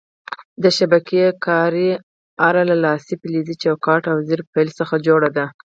د شبکې کارۍ اره له لاسۍ، فلزي چوکاټ او ظریف پل څخه جوړه ده.